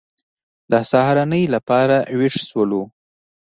د سهارنۍ لپاره وېښ شولو.